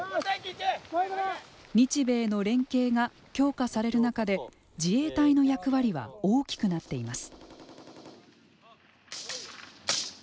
日米の連携が強化される中で自衛隊の役割は大きくなっています。